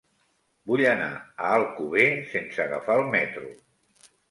Vull anar a Alcover sense agafar el metro.